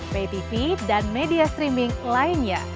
ptv dan media streaming lainnya